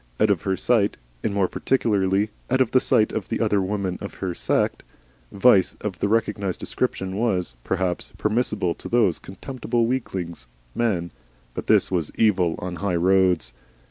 Out of her sight, and more particularly out of the sight of the other women of her set, vice of the recognised description was, perhaps, permissible to those contemptible weaklings, men, but this was Evil on the High Roads.